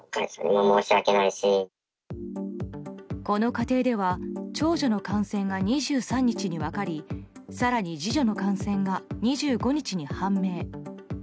この家庭では長女の感染が２３日に分かり更に、次女の感染が２５日に判明。